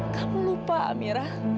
kamu lupa amirah